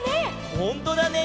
ほんとだね。